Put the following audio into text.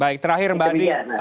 baik terakhir mbak andi